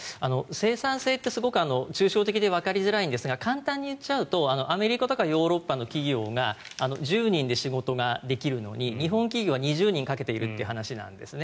生産性ってすごく抽象的でわかりづらいんですが簡単に言っちゃうとアメリカとかヨーロッパの企業が１０人で仕事ができるのに日本企業は２０人かけているという話なんですね。